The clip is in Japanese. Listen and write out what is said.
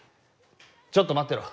ちょっとまってろ。